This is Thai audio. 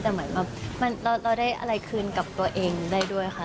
แต่เหมือนแบบเราได้อะไรคืนกับตัวเองได้ด้วยค่ะ